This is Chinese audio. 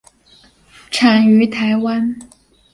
产于台湾。